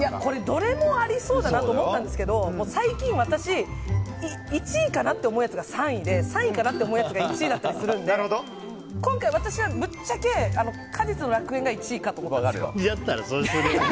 どれもありそうだなと思ったんですけど最近、私１位かなって思うやつが３位で３位かなって思うやつが１位だったりするので今回、私はぶっちゃけ果実の楽園がだったらそうしなよ。